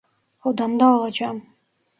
Odamda olacağım.